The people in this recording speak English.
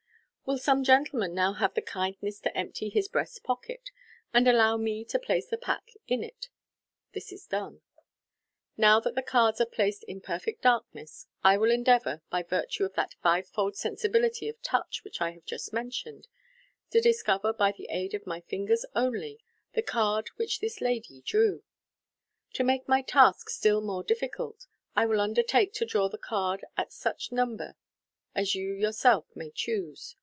" Will some gentleman now have the kindness to empty his breast pocket, and allow me to place the pack in it." (This is done.) " Now that the cards are placed in perfect darkness, I will endeavour, by virtue of that five fold sensibility of touch which I have just men tioned, to discover, by the aid of my fingers only, the card which this lady drew. To make my task still more difficult, I will undertake to draw the card at such number as you yourselves may choose.